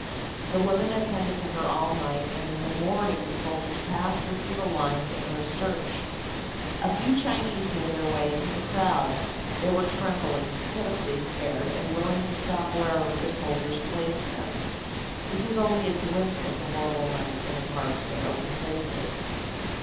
The women attended to her all night and in the morning the soldiers passed her through the lines in her search. A few Chinese made their way into the crowd. They were trembling, pitifully scared and willing to stop wherever the soldiers placed them. This is only a glimpse of the horrible night in the parks and open places.